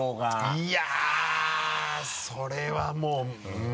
いやぁそれはもううん。